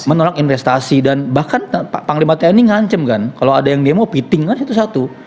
menolak investasi dan bahkan pak panglima tni ngancem kan kalau ada yang dia mau piting kan satu satu